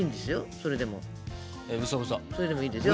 それでもいいですよ